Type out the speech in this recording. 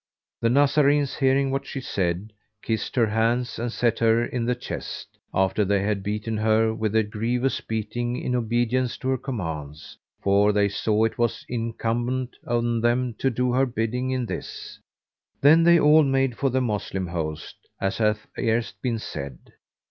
The Nazarenes hearing whet she said, kissed her hands and set her in the chest, after they had beaten her with a grievous beating in obedience to her commands, for they saw it was incumbent on them to do her bidding in this; then they all made for the Moslem host as hath erst been said.